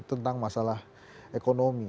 tentang masalah ekonomi